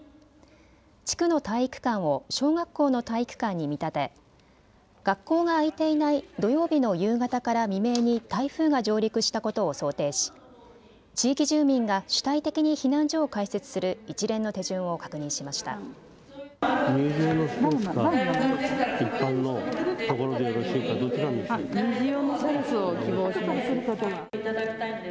地区の体育館を小学校の体育館に見立て学校が開いていない土曜日の夕方から未明に台風が上陸したことを想定し地域住民が主体的に避難所を開設する一連の手順を確認しました。